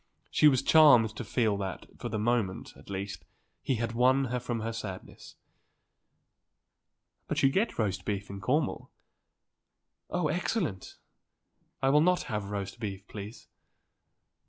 He was charmed to feel that, for the moment, at least, he had won her from her sadness. "But you get roast beef in Cornwall." "Oh, excellent. I will not have roast beef, please."